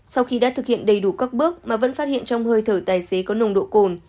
sau khi đã thực hiện đầy đủ các bước mà vẫn phát hiện trong hơi thở tài xế có nồng độ cồn